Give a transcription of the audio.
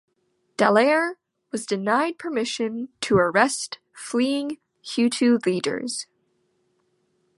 Dallaire was denied permission to arrest fleeing Hutu leaders.